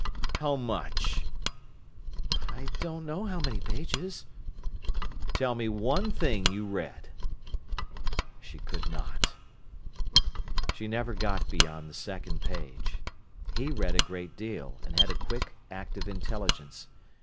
"How much?" "I don't know how many pages." "Tell me one thing you read." She could not. She never got beyond the second page. He read a great deal, and had a quick, active intelligence.